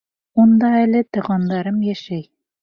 Унда әле туғандарым йәшәй.